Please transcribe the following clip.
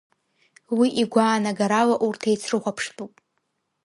Уи игәаанагарала урҭ еицрыхәаԥштәуп.